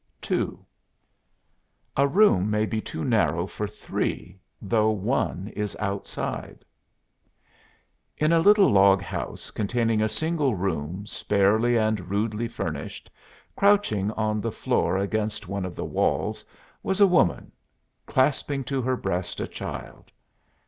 II A ROOM MAY BE TOO NARROW FOR THREE, THOUGH ONE IS OUTSIDE In a little log house containing a single room sparely and rudely furnished, crouching on the floor against one of the walls, was a woman, clasping to her breast a child.